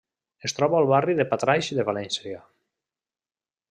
Es troba al barri de Patraix de València.